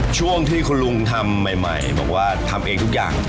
ช่วงที่คุณลุงทำใหม่บอกว่าทำเองทุกอย่าง